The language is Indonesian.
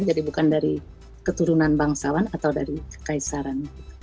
jadi bukan dari keturunan bangsawan atau dari kekaisaran